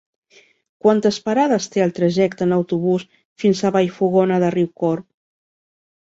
Quantes parades té el trajecte en autobús fins a Vallfogona de Riucorb?